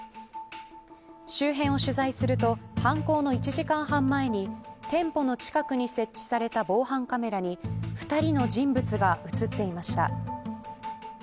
周辺を取材すると犯行の１時間半前に店舗の近くに設置された防犯カメラに２人の人物が映っていました。